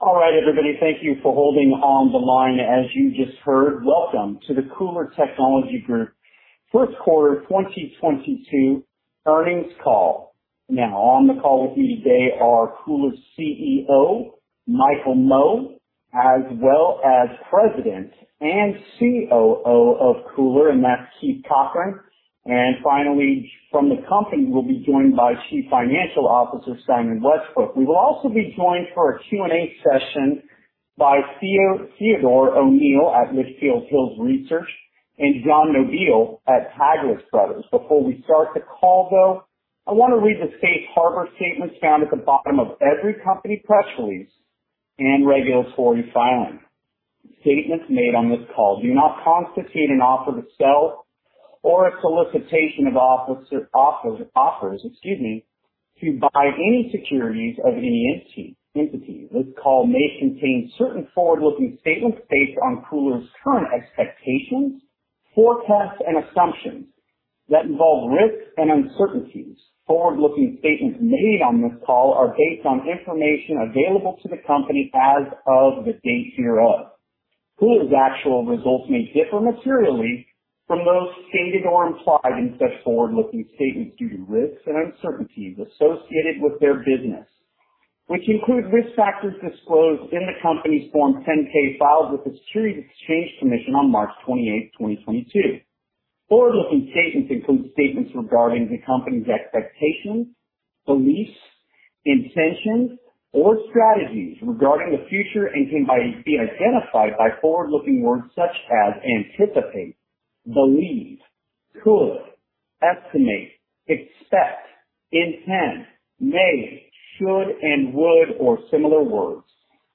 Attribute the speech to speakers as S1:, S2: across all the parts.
S1: All right, everybody. Thank you for holding on the line as you just heard. Welcome to the KULR Technology Group first quarter 2022 earnings call. Now, on the call with me today are KULR's CEO, Michael Mo, as well as President and COO of KULR, and that's Keith Cochran. Finally, from the company, we'll be joined by Chief Financial Officer, Simon Westbrook. We will also be joined for a Q&A session by Theodore O'Neill at Litchfield Hills Research and John Nobile at Taglich Brothers. Before we start the call, though, I wanna read the safe harbor statement found at the bottom of every company press release and regulatory filing. Statements made on this call do not constitute an offer to sell or a solicitation of offers to buy any securities of any entity. This call may contain certain forward-looking statements based on KULR's current expectations, forecasts, and assumptions that involve risks and uncertainties. Forward-looking statements made on this call are based on information available to the company as of the date hereof. KULR's actual results may differ materially from those stated or implied in such forward-looking statements due to risks and uncertainties associated with their business, which include risk factors disclosed in the company's Form 10-K filed with the Securities and Exchange Commission on March 28, 2022. Forward-looking statements include statements regarding the company's expectations, beliefs, intentions, or strategies regarding the future and can be identified by forward-looking words such as anticipate, believe, could, estimate, expect, intend, may, should, and would or similar words.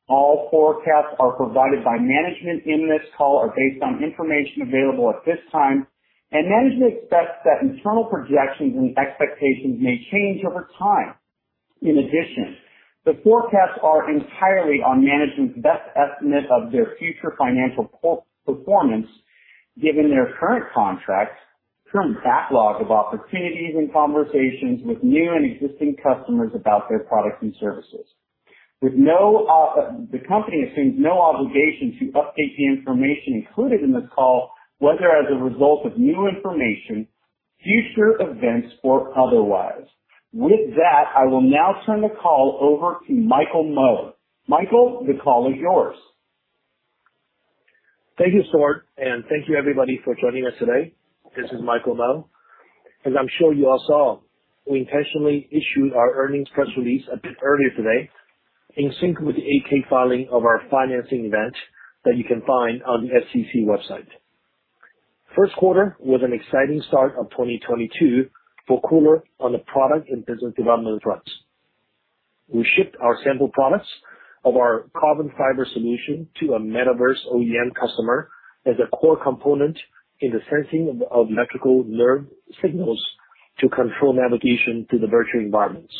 S1: All forecasts provided by management in this call are based on information available at this time, and management expects that internal projections and expectations may change over time. In addition, the forecasts are entirely on management's best estimate of their future financial performance, given their current contracts, current backlog of opportunities, and conversations with new and existing customers about their products and services. The company assumes no obligation to update the information included in this call, whether as a result of new information, future events, or otherwise. With that, I will now turn the call over to Michael Mo. Michael, the call is yours.
S2: Thank you, Stuart, and thank you everybody for joining us today. This is Michael Mo. As I'm sure you all saw, we intentionally issued our earnings press release a bit earlier today in sync with the 8-K filing of our financing event that you can find on the SEC website. First quarter was an exciting start of 2022 for KULR on the product and business development fronts. We shipped our sample products of our carbon fiber solution to a metaverse OEM customer as a core component in the sensing of electrical nerve signals to control navigation through the virtual environments.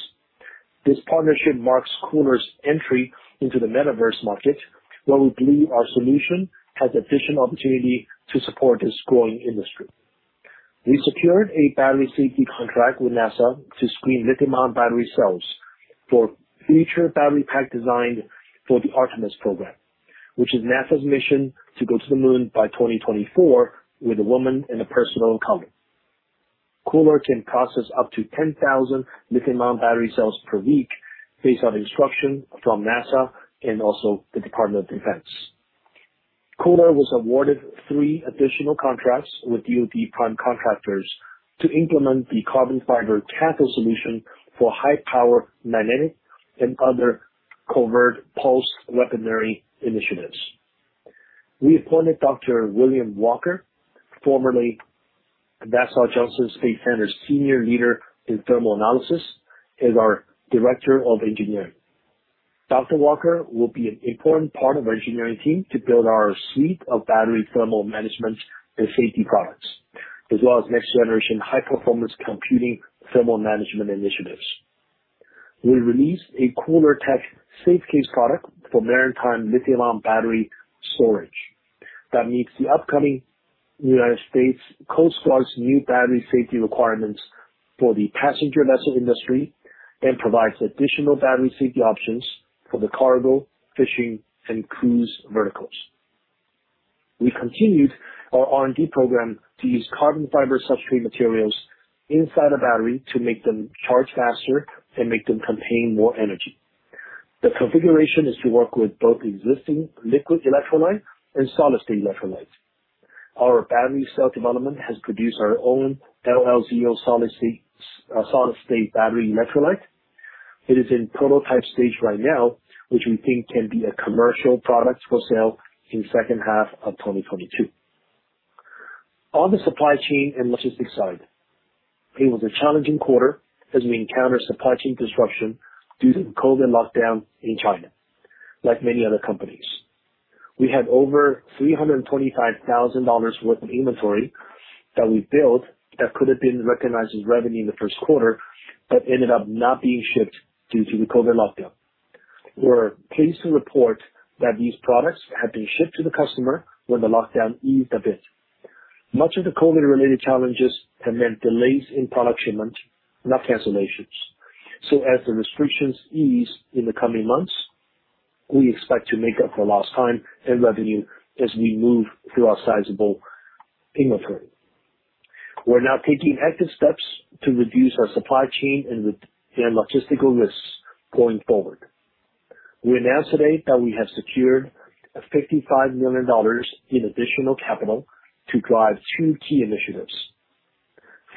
S2: This partnership marks KULR's entry into the metaverse market, where we believe our solution has additional opportunity to support this growing industry. We secured a battery safety contract with NASA to screen lithium-ion battery cells for future battery pack design for the Artemis program, which is NASA's mission to go to the moon by 2024 with a woman and a person of color. KULR can process up to 10,000 lithium-ion battery cells per week based on instruction from NASA and also the Department of Defense. KULR was awarded three additional contracts with DoD prime contractors to implement the carbon fiber cathode solution for high power magnetic and other covert pulse weaponry initiatives. We appointed Dr. William Walker, formerly NASA Johnson Space Center's senior leader in thermal analysis, as our Director of Engineering. Dr. Walker will be an important part of our engineering team to build our suite of battery thermal management and safety products, as well as next generation high performance computing thermal management initiatives. We released a KULR-Tech SafeCASE product for maritime lithium-ion battery storage that meets the upcoming United States Coast Guard's new battery safety requirements for the passenger vessel industry and provides additional battery safety options for the cargo, fishing, and cruise verticals. We continued our R&D program to use carbon fiber substrate materials inside a battery to make them charge faster and make them contain more energy. The configuration is to work with both existing liquid electrolyte and solid-state electrolytes. Our battery cell development has produced our own LLC solid-state battery electrolyte. It is in prototype stage right now, which we think can be a commercial product for sale in second half of 2022. On the supply chain and logistics side, it was a challenging quarter as we encountered supply chain disruption due to COVID lockdown in China, like many other companies. We had over $325,000 worth of inventory that we built that could have been recognized as revenue in the first quarter, but ended up not being shipped due to the COVID lockdown. We're pleased to report that these products have been shipped to the customer when the lockdown eased a bit. Much of the COVID-related challenges have meant delays in product shipment, not cancellations. As the restrictions ease in the coming months, we expect to make up for lost time and revenue as we move through our sizable inventory. We're now taking active steps to reduce our supply chain and related logistical risks going forward. We announce today that we have secured $55 million in additional capital to drive two key initiatives.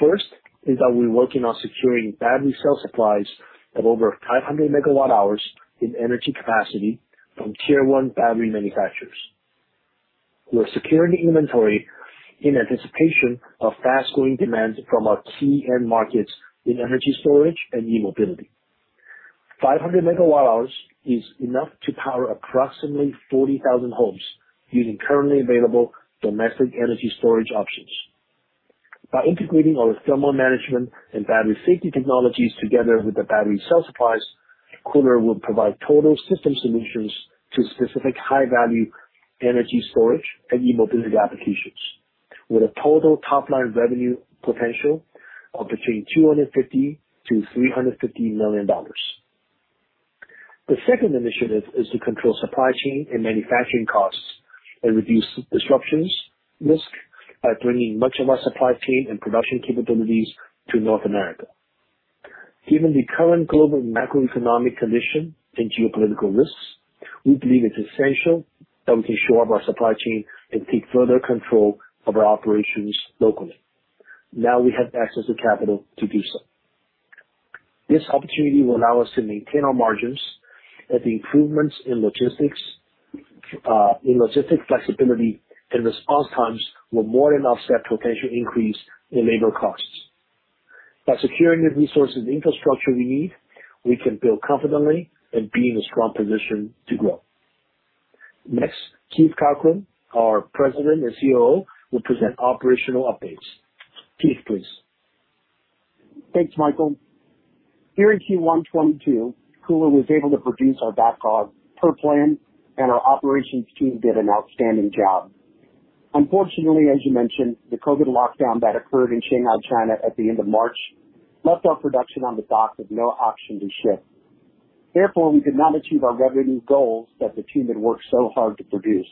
S2: First is that we're working on securing battery cell supplies of over 500 MWh in energy capacity from Tier 1 battery manufacturers. We are securing the inventory in anticipation of fast-growing demand from our key end markets in energy storage and e-mobility. 500 MWh is enough to power approximately 40,000 homes using currently available domestic energy storage options. By integrating our thermal management and battery safety technologies together with the battery cell supplies, KULR will provide total system solutions to specific high-value energy storage and e-mobility applications, with a total top-line revenue potential of between $250 million-$350 million. The second initiative is to control supply chain and manufacturing costs and reduce disruptions risk by bringing much of our supply chain and production capabilities to North America. Given the current global macroeconomic condition and geopolitical risks, we believe it's essential that we can shore up our supply chain and take further control of our operations locally. Now we have access to capital to do so. This opportunity will allow us to maintain our margins, and the improvements in logistics, in logistics flexibility and response times will more than offset potential increase in labor costs. By securing the resources and infrastructure we need, we can build confidently and be in a strong position to grow. Next, Keith Cochran, our President and COO, will present operational updates. Keith, please.
S3: Thanks, Michael. Here in Q1 2022, KULR was able to produce our backlogs per plan and our operations team did an outstanding job. Unfortunately, as you mentioned, the COVID lockdown that occurred in Shanghai, China at the end of March left our production on the dock with no option to ship. Therefore, we could not achieve our revenue goals that the team had worked so hard to produce.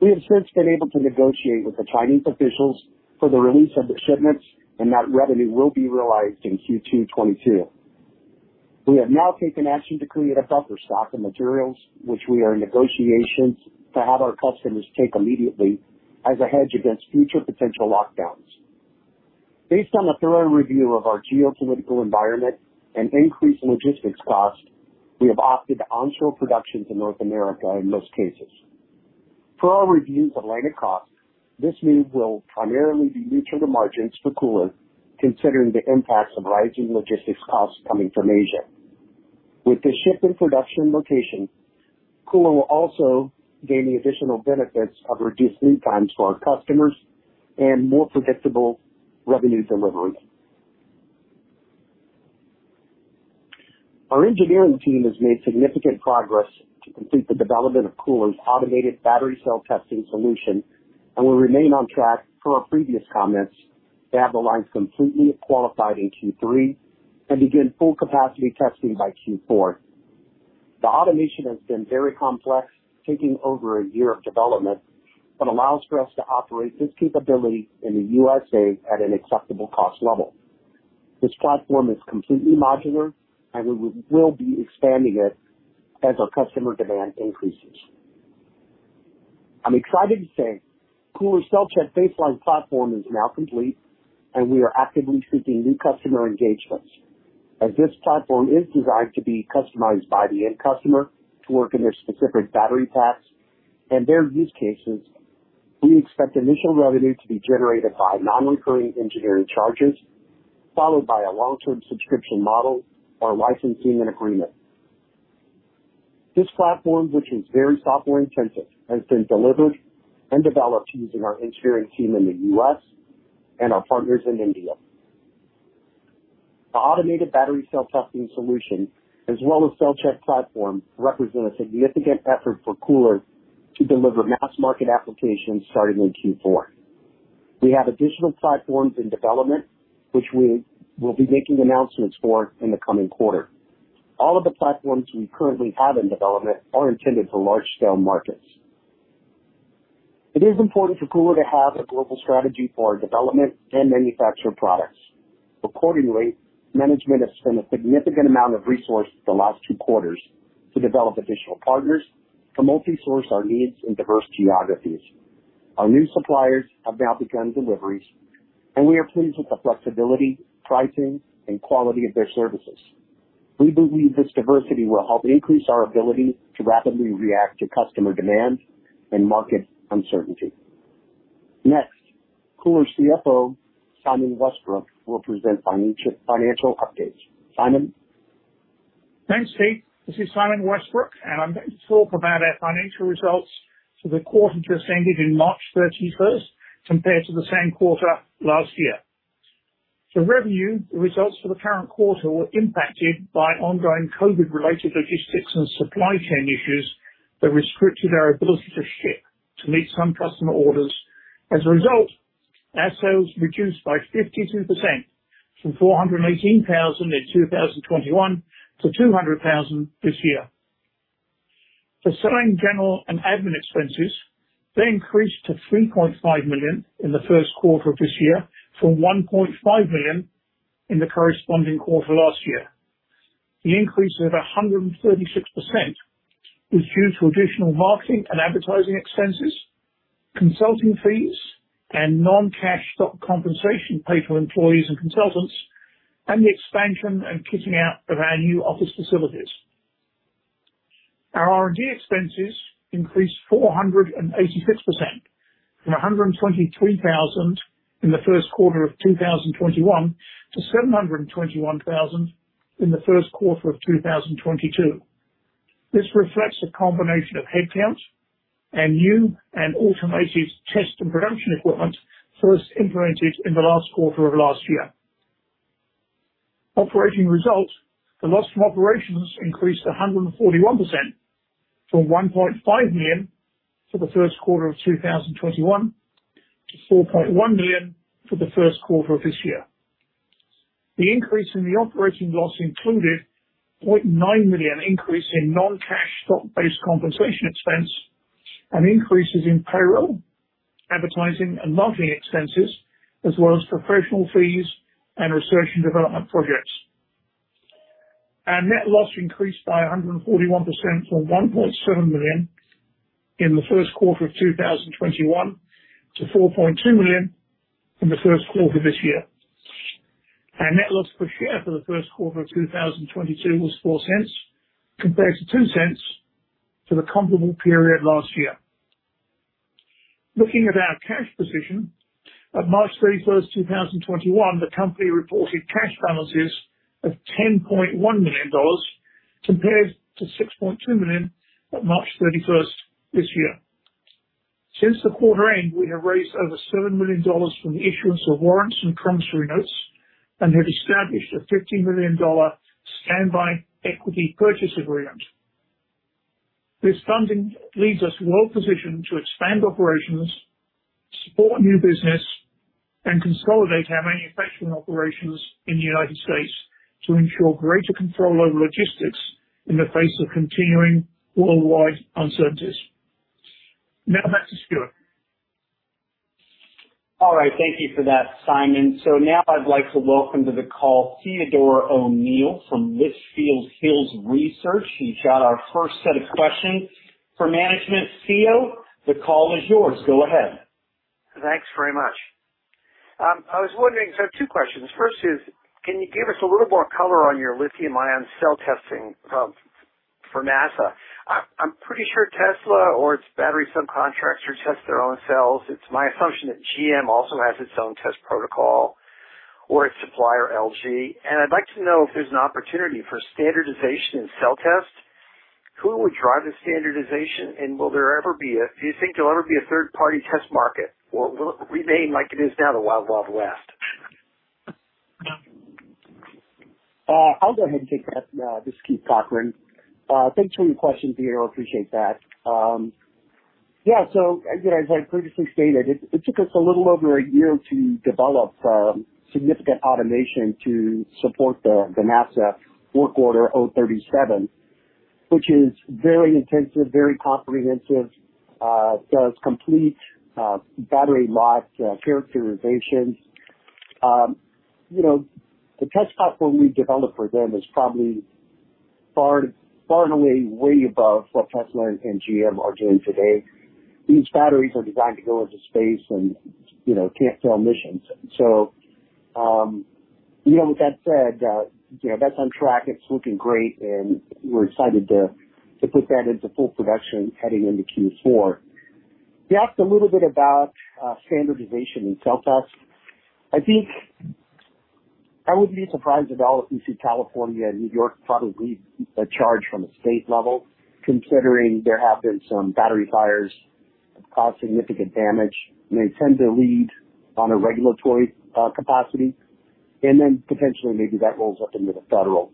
S3: We have since been able to negotiate with the Chinese officials for the release of the shipments, and that revenue will be realized in Q2 2022. We have now taken action to create a buffer stock of materials, which we are in negotiations to have our customers take immediately as a hedge against future potential lockdowns. Based on a thorough review of our geopolitical environment and increased logistics cost, we have opted to onshore production in North America in most cases. Per our reviews of landed costs, this move will primarily be neutral to margins for KULR, considering the impacts of rising logistics costs coming from Asia. With the shift in production location, KULR will also gain the additional benefits of reduced lead times for our customers and more predictable revenue delivery. Our engineering team has made significant progress to complete the development of KULR's automated battery cell testing solution and will remain on track per our previous comments to have the lines completely qualified in Q3 and begin full capacity testing by Q4. The automation has been very complex, taking over a year of development, but allows for us to operate this capability in the USA at an acceptable cost level. This platform is completely modular, and we will be expanding it as our customer demand increases. I'm excited to say KULR's CellCheck Baseline Platform is now complete, and we are actively seeking new customer engagements. As this platform is designed to be customized by the end customer to work in their specific battery packs and their use cases, we expect initial revenue to be generated by non-recurring engineering charges, followed by a long-term subscription model or licensing agreement. This platform, which is very software intensive, has been delivered and developed using our engineering team in the U.S. and our partners in India. The automated battery cell testing solution, as well as CellCheck Platform, represent a significant effort for KULR to deliver mass market applications starting in Q4. We have additional platforms in development which we will be making announcements for in the coming quarter. All of the platforms we currently have in development are intended for large scale markets. It is important for KULR to have a global strategy for our development and manufacture products. Accordingly, management has spent a significant amount of resource the last two quarters to develop additional partners to multisource our needs in diverse geographies. Our new suppliers have now begun deliveries, and we are pleased with the flexibility, pricing, and quality of their services. We believe this diversity will help increase our ability to rapidly react to customer demand and market uncertainty. Next, KULR CFO, Simon Westbrook, will present financial updates. Simon?
S4: Thanks, Keith. This is Simon Westbrook, and I'm going to talk about our financial results for the quarter that ended March 31st compared to the same quarter last year. The revenue results for the current quarter were impacted by ongoing COVID-related logistics and supply chain issues that restricted our ability to ship to meet some customer orders. As a result, our sales reduced by 52% from $418,000 in 2021 to $200,000 this year. The selling, general, and admin expenses, they increased to $3.5 million in the first quarter of this year from $1.5 million in the corresponding quarter last year. The increase of 136% is due to additional marketing and advertising expenses, consulting fees, and non-cash stock compensation paid to employees and consultants, and the expansion and fitting out of our new office facilities. Our R&D expenses increased 486% from $123,000 in the first quarter of 2021 to $721,000 in the first quarter of 2022. This reflects a combination of headcount and new and automated test and production equipment first implemented in the last quarter of last year. Operating results. The loss from operations increased 141% from $1.5 million for the first quarter of 2021 to $4.1 million for the first quarter of this year. The increase in the operating loss included $0.9 million increase in non-cash stock-based compensation expense and increases in payroll, advertising, and marketing expenses, as well as professional fees and research and development projects. Our net loss increased by 141% from $1.7 million in the first quarter of 2021 to $4.2 million in the first quarter of this year. Our net loss per share for the first quarter of 2022 was $0.04, compared to $0.02 for the comparable period last year. Looking at our cash position, at March 31st, 2021, the company reported cash balances of $10.1 million compared to $6.2 million at March 31st this year. Since the quarter end, we have raised over $7 million from the issuance of warrants and promissory notes and have established a $50 million standby equity purchase agreement. This funding leaves us well positioned to expand operations, support new business, and consolidate our manufacturing operations in the United States to ensure greater control over logistics in the face of continuing worldwide uncertainties. Now back to Stuart.
S1: All right. Thank you for that, Simon. Now I'd like to welcome to the call Theodore O'Neill from Litchfield Hills Research. He's got our first set of questions for management. Theo, the call is yours. Go ahead.
S5: Thanks very much. I was wondering, two questions. First is, can you give us a little more color on your lithium-ion cell testing for NASA? I'm pretty sure Tesla or its battery subcontractors test their own cells. It's my assumption that GM also has its own test protocol or its supplier, LG. I'd like to know if there's an opportunity for standardization in cell tests. Who would drive the standardization, and will there ever be a third-party test market, or will it remain like it is now, the wild West?
S3: I'll go ahead and take that. This is Keith Cochran. Thanks for your question, Theo. Appreciate that. Yeah. As I previously stated, it took us a little over a year to develop significant automation to support the NASA work order O37, which is very intensive, very comprehensive, does complete battery life characterization. You know, the test platform we developed for them is probably far and away above what Tesla and GM are doing today. These batteries are designed to go into space and, you know, can't fail missions. With that said, you know, that's on track. It's looking great, and we're excited to put that into full production heading into Q4. You asked a little bit about standardization in cell tests. I think I wouldn't be surprised at all if we see California and New York probably lead the charge from a state level, considering there have been some battery fires that have caused significant damage, and they tend to lead on a regulatory capacity. Then potentially maybe that rolls up into the federal.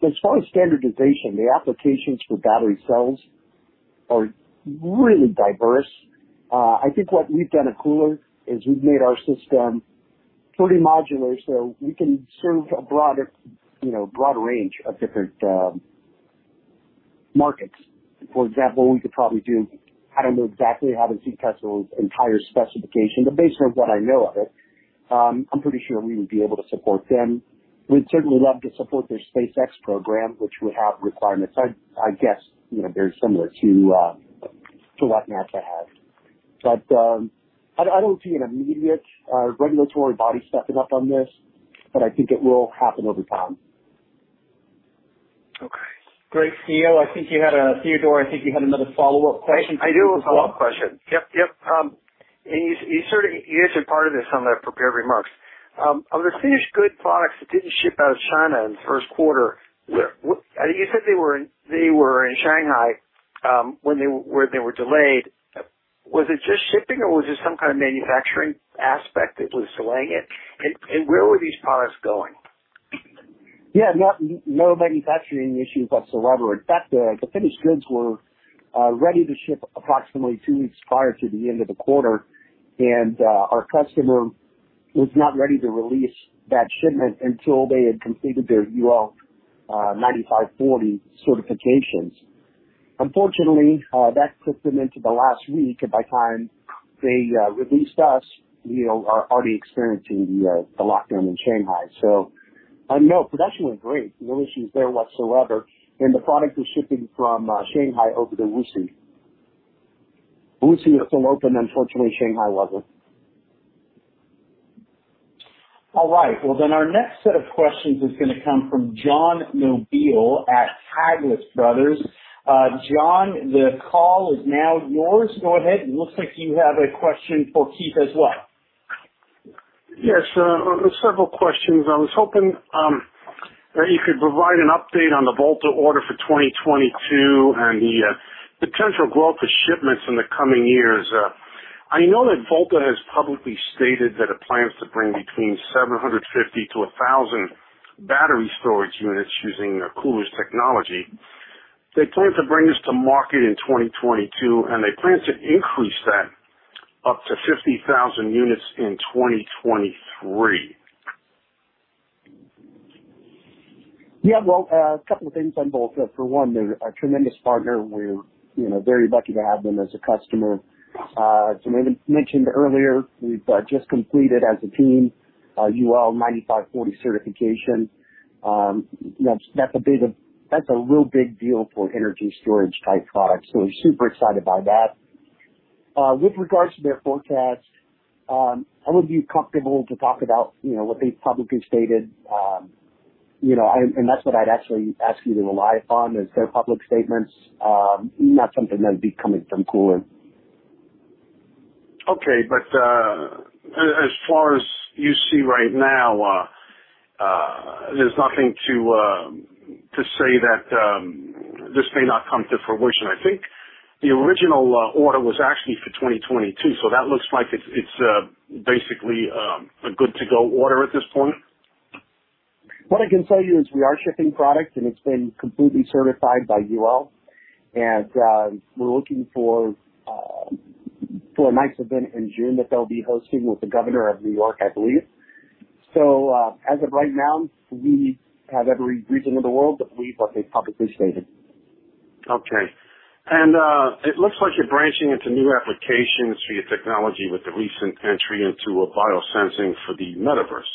S3: As far as standardization, the applications for battery cells are really diverse. I think what we've done at KULR is we've made our system pretty modular, so we can serve a broader range of different markets. For example, we could probably do, I don't know exactly, I haven't seen Tesla's entire specification, but based on what I know of it, I'm pretty sure we would be able to support them. We'd certainly love to support their SpaceX program, which would have requirements I guess you know very similar to what NASA has. I don't see an immediate regulatory body stepping up on this, but I think it will happen over time.
S5: Okay.
S1: Great, Theo. Theodore I think you had another follow-up question.
S5: I do. A follow-up question. Yep. Yep. You sort of answered part of this on the prepared remarks. On the finished goods products that didn't ship out of China in the first quarter, where you said they were in Shanghai when they were delayed. Was it just shipping or was it some kind of manufacturing aspect that was delaying it? Where were these products going?
S3: Yeah. No manufacturing issues whatsoever. In fact, the finished goods were ready to ship approximately two weeks prior to the end of the quarter. Our customer was not ready to release that shipment until they had completed their UL 9540 certifications. Unfortunately, that put them into the last week, and by the time they released us, we are already experiencing the lockdown in Shanghai. Production was great. No issues there whatsoever. The product was shipping from Shanghai over to Wuxi. Wuxi was still open, unfortunately, Shanghai wasn't.
S1: All right. Well, our next set of questions is gonna come from John Nobile at Taglich Brothers. John, the call is now yours. Go ahead. It looks like you have a question for Keith as well.
S6: Yes, several questions. I was hoping that you could provide an update on the Volta order for 2022 and the potential growth of shipments in the coming years. I know that Volta has publicly stated that it plans to bring between 750 to 1,000 battery storage units using KULR's technology. They plan to bring this to market in 2022, and they plan to increase that up to 50,000 units in 2023.
S3: Yeah. Well, a couple of things on Volta. For one, they're a tremendous partner. We're, you know, very lucky to have them as a customer. As I mentioned earlier, we've just completed as a team UL 9540 certification. That's a real big deal for energy storage type products. So we're super excited by that. With regards to their forecast, I would be comfortable to talk about, you know, what they've publicly stated. You know, and that's what I'd actually ask you to rely upon is their public statements, not something that would be coming from KULR.
S6: Okay. As far as you see right now, there's nothing to say that this may not come to fruition. I think the original order was actually for 2022, so that looks like it's basically a good to go order at this point.
S3: What I can tell you is we are shipping product, and it's been completely certified by UL. We're looking for a nice event in June that they'll be hosting with the governor of New York, I believe. As of right now, we have every reason in the world to believe what they've publicly stated.
S6: Okay. It looks like you're branching into new applications for your technology with the recent entry into biosensing for the metaverse.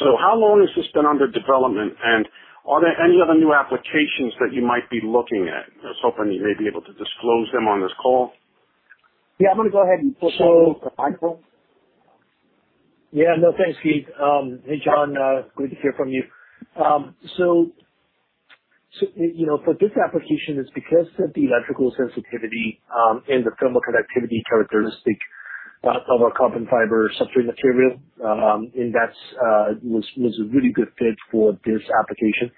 S6: How long has this been under development, and are there any other new applications that you might be looking at? I was hoping you may be able to disclose them on this call.
S3: Yeah. I'm gonna go ahead and push that over to Michael.
S2: Yeah. No, thanks, Keith. Hey, John, good to hear from you. You know, for this application, it's because of the electrical sensitivity and the thermal conductivity characteristic of our carbon fiber substrate material. That was a really good fit for this application.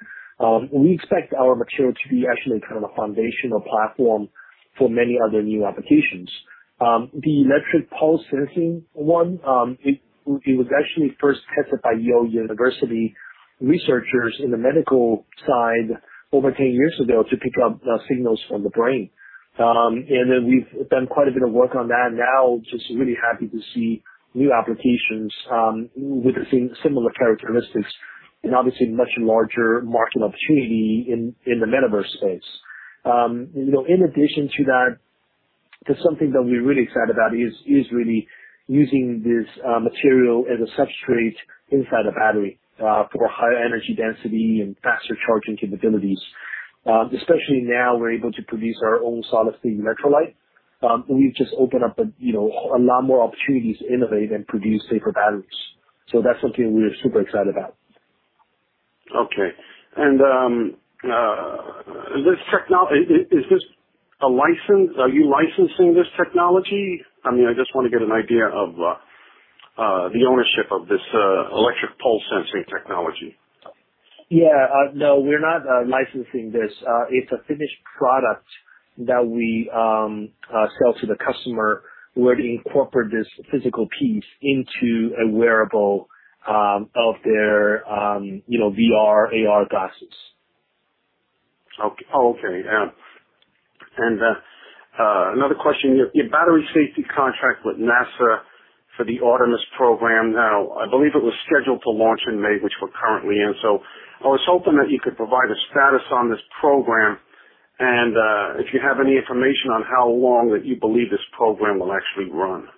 S2: We expect our material to be actually kind of a foundational platform for many other new applications. The electric pulse sensing one was actually first tested by Yale University researchers in the medical side over 10 years ago to pick up signals from the brain. Then we've done quite a bit of work on that now, just really happy to see new applications with the same similar characteristics and obviously much larger market opportunity in the metaverse space. You know, in addition to that, there's something that we're really excited about is really using this material as a substrate inside a battery for higher energy density and faster charging capabilities. Especially now we're able to produce our own solid-state electrolyte. We've just opened up a you know, a lot more opportunities to innovate and produce safer batteries. That's something we're super excited about.
S6: Okay. Is this a license? Are you licensing this technology? I mean, I just wanna get an idea of the ownership of this electric pulse sensing technology.
S2: Yeah. No, we're not licensing this. It's a finished product that we sell to the customer who would incorporate this physical piece into a wearable of their, you know, VR, AR glasses.
S6: Okay. Yeah. Another question. Your battery safety contract with NASA for the Artemis program. Now, I believe it was scheduled to launch in May, which we're currently in. I was hoping that you could provide a status on this program and if you have any information on how long that you believe this program will actually run.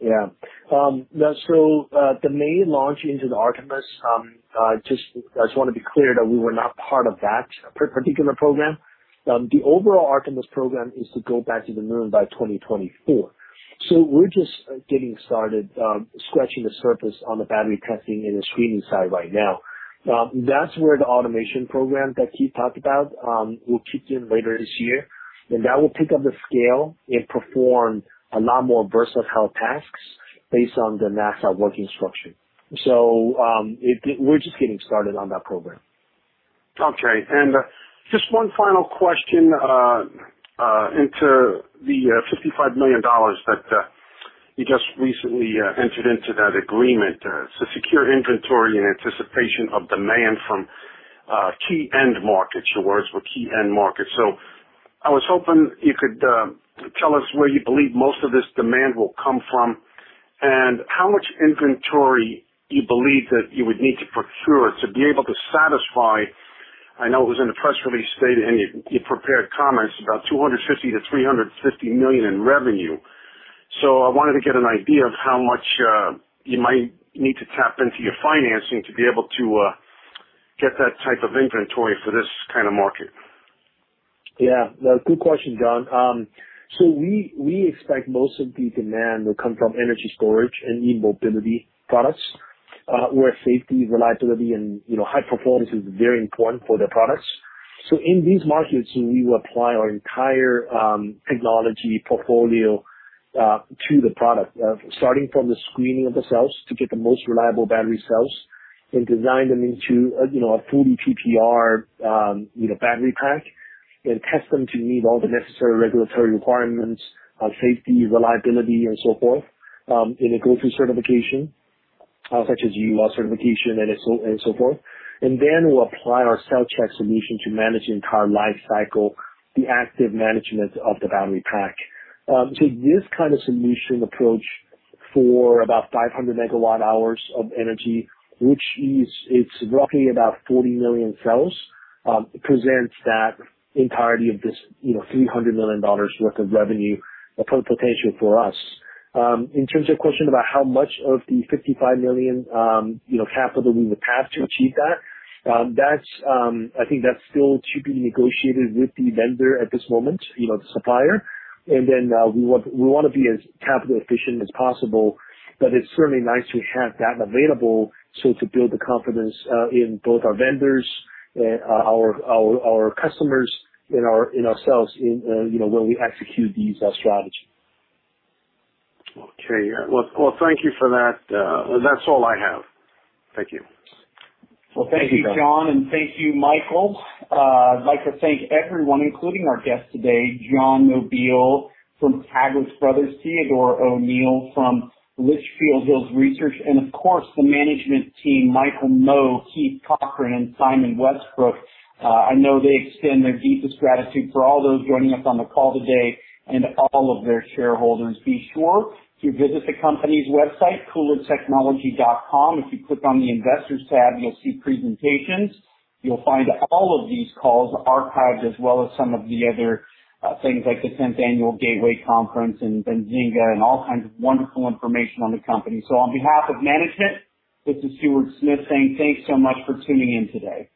S2: Yeah. The May launch into the Artemis program, I just want to be clear that we were not part of that particular program. The overall Artemis program is to go back to the moon by 2024. We're just getting started, scratching the surface on the battery testing and the screening side right now. That's where the automation program that Keith talked about will kick in later this year. That will pick up the scale and perform a lot more versatile tasks based on the NASA work instruction. We're just getting started on that program.
S6: Okay. Just one final question into the $55 million that you just recently entered into that agreement. It's a secure inventory in anticipation of demand from key end markets. Your words were key end markets. I was hoping you could tell us where you believe most of this demand will come from and how much inventory you believe that you would need to procure to be able to satisfy. I know it was in the press release stated in your prepared comments about $250 million-$350 million in revenue. I wanted to get an idea of how much you might need to tap into your financing to be able to get that type of inventory for this kind of market.
S2: Yeah. Good question, John. We expect most of the demand will come from energy storage and e-mobility products, where safety, reliability and, you know, high performance is very important for their products. In these markets, we will apply our entire technology portfolio to the product, starting from the screening of the cells to get the most reliable battery cells and design them into, you know, a fully PPR battery pack and test them to meet all the necessary regulatory requirements on safety, reliability and so forth, and then go through certification, such as UL certification and so forth. We'll apply our CellCheck solution to manage the entire life cycle, the active management of the battery pack. This kind of solution approach for about 500 MWh of energy, which is, it's roughly about 40 million cells, presents that entirety of this, you know, $300 million worth of revenue potential for us. In terms of question about how much of the $55 million, you know, capital we would have to achieve that's, I think that's still to be negotiated with the vendor at this moment, you know, the supplier. We want to be as capital efficient as possible. It's certainly nice to have that available so to build the confidence in both our vendors and our customers in ourselves, you know, when we execute these strategy.
S6: Okay. Well, thank you for that. That's all I have. Thank you.
S1: Well, thank you, John, and thank you, Michael. I'd like to thank everyone, including our guests today, John Nobile from Taglich Brothers, Theodore O'Neill from Litchfield Hills Research, and of course, the management team, Michael Mo, Keith Cochran and Simon Westbrook. I know they extend their deepest gratitude for all those joining us on the call today and all of their shareholders. Be sure to visit the company's website, kulrtechnology.com. If you click on the Investors tab, you'll see presentations. You'll find all of these calls archived as well as some of the other things like the 10th Annual Gateway Conference and Benzinga and all kinds of wonderful information on the company. On behalf of management, this is Stuart Smith saying thanks so much for tuning in today.